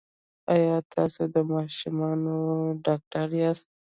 ایا تاسو د ماشومانو ډاکټر یاست؟